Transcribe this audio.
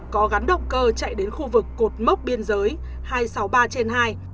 có gắn động cơ chạy đến khu vực cột mốc biên giới hai trăm sáu mươi ba trên hai